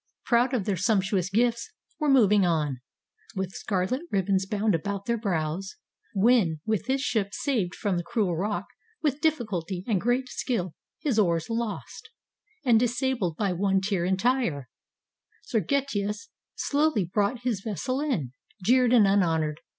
Proud of their sumptuous gifts, were moving on, With scarlet ribbons bound about their brows, When, with his ship saved from the cruel rock With difficulty and great skill, his oars Lost, and disabled by one tier entire, Sergestus slowly brought his vessel in, Jeered and unhonored.